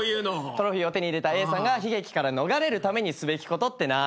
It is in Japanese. トロフィーを手に入れたＡさんが悲劇から逃れるためにすべきことってなんだ。